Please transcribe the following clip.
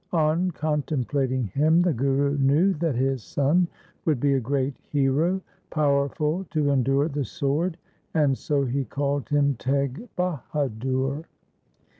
On con templating him the Guru knew that his son would be a great hero, powerful to endure the sword, and so he called him Teg Bahadur.